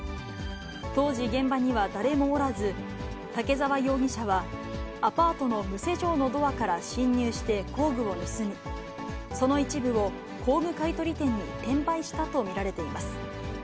当時、現場には誰もおらず、武沢容疑者は、アパートの無施錠のドアから侵入して工具を盗み、その一部を工具買い取り店に転売したと見られています。